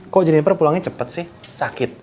kok jeniper pulangnya cepet sih sakit